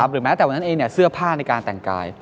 หรือแม้แต่วันนั้นเองเสื้อผ้าในการแต่งกาย